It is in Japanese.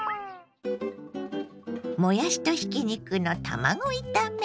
もやしとひき肉の卵炒め。